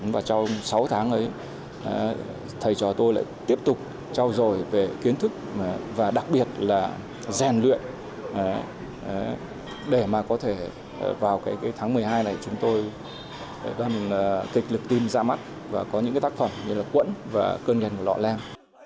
và trong sáu tháng ấy thầy trò tôi lại tiếp tục trao dồi về kiến thức và đặc biệt là rèn luyện để mà có thể vào cái tháng một mươi hai này chúng tôi gần kịch lực tim ra mắt và có những tác phẩm như là quẫn và cơn nhân của lọ lem